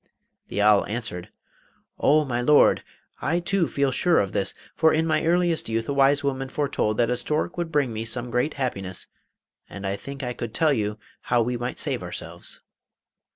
The owl answered: 'Oh, my Lord! I too feel sure of this, for in my earliest youth a wise woman foretold that a stork would bring me some great happiness, and I think I could tell you how we might save ourselves.